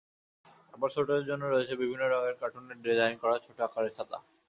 আবার ছোটদের জন্য রয়েছে বিভিন্ন রঙের কার্টুনের ডিজাইন করা ছোট আকারের ছাতা।